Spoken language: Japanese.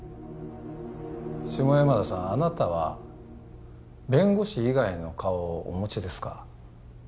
下山田さんあなたは弁護士以外の顔をお持ちですか？